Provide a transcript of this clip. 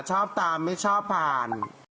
ชอบตามไม่ชอบผ่าน